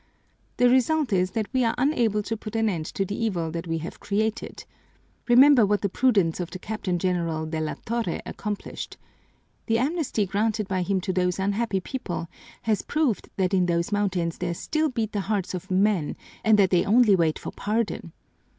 The result is that we are unable to put an end to the evil that we have created. Remember what the prudence of the Captain General de la Torre accomplished. The amnesty granted by him to those unhappy people has proved that in those mountains there still beat the hearts of men and that they only wait for pardon.